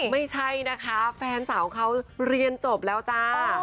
ไม่ใช่นะคะแฟนสาวเขาเรียนจบแล้วจ้า